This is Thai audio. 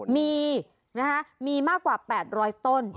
มีมีมากกว่า๘๐๐ต้น